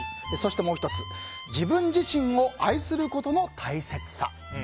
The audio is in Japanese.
そしてもう１つ「自分自身を愛することの大切さ」。